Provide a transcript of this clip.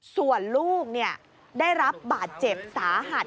ส่วนลูกได้รับบาดเจ็บสาหัส